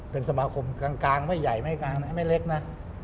เป็นสมาคมกลางไม่ใหญ่ไม่กลางไม่เล็กนะ